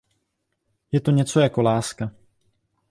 Je to něco jako láska.